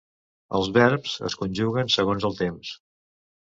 Els verbs es conjuguen segons el temps.